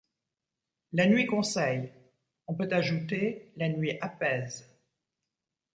La nuit conseille, on peut ajouter : la nuit apaise.